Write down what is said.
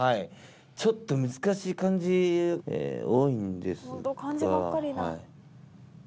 ちょっと難しい漢字多いんですが。